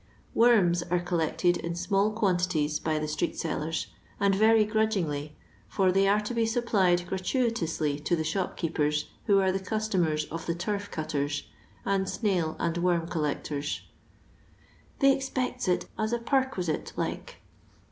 Wormi are collected in small quantities by the street sellers, and very grudgingly, for they are to be supplied gratuitously to the shopkeepers who are the customers of the turf cutters, and snail and worm collectors. " They expects it as a parquisite, like."